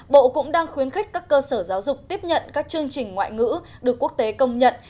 bộ cũng đang khuyến khích các cơ sở giáo dục tiếp nhận các chương trình ngoại ngữ được quốc tế công nhận